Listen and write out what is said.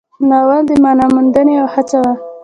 ناول د معنا موندنې یوه هڅه وه.